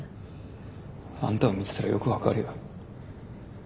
あんたを見てたらよく分かるよ。